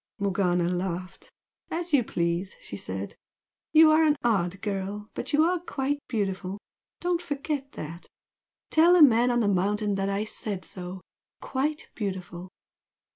Morgana laughed. "As you please!" she said "You are an odd girl, but you are quite beautiful! Don't forget that! Tell the man on the mountain that I said so! quite beautiful!